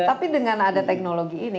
tapi dengan ada teknologi ini